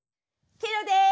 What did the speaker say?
ケロです！